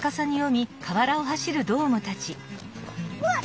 うわっ！